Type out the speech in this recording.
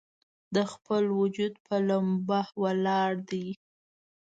د خپل وجود پۀ ، لمبه ولاړ دی